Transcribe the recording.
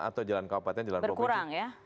atau jalan kabupaten jalan provinsi